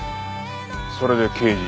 それで刑事に？